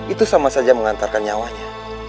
itu sama saja mengantarkan nyawanya